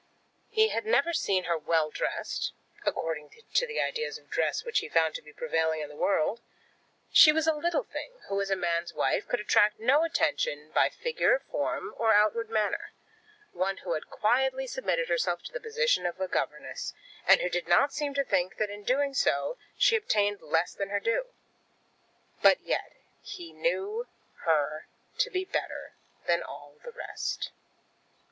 He had never seen her well dressed, according to the ideas of dress which he found to be prevailing in the world. She was a little thing, who, as a man's wife, could attract no attention by figure, form, or outward manner, one who had quietly submitted herself to the position of a governess, and who did not seem to think that in doing so she obtained less than her due. But yet he knew her to be better than all the rest.